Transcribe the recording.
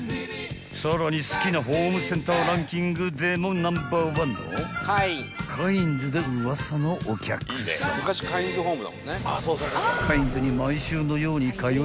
［さらに好きなホームセンターランキングでもナンバー１のカインズでウワサのお客さま］